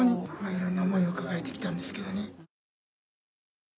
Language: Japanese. いろんな思いを抱えて来たんですけどね。